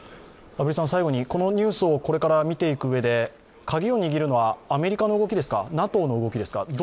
最後に、このニュースをこれから見ていくうえでカギを握るのはアメリカの動きですか、ＮＡＴＯの動きですか？